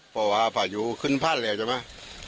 เพราะว่าพายุขึ้นบ้านแล้วใช่ไหม